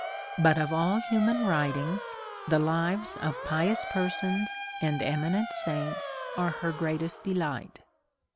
But of all human writings, the lives of pi ous persons and eminent saints are her greatest de light.